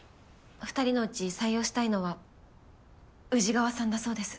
２人のうち採用したいのは宇治川さんだそうです。